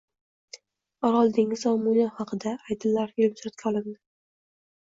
Orol dengizi va Mo‘ynoq haqida Aydinlar filmi tasvirga olindi